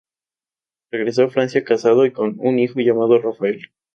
Regresó a Francia casado y con un hijo llamado Rafael.